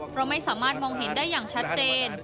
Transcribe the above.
เพราะไม่สามารถมองเห็นได้อย่างชัดเจน